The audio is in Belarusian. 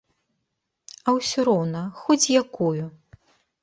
А ўсё роўна, хоць якую!